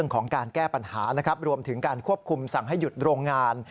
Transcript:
ของการแก้ปัญหานะครับรวมถึงการควบคุมสั่งให้หยุดโรงงาน